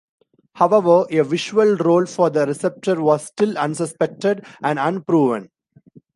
However a visual role for the receptor was still unsuspected and unproven.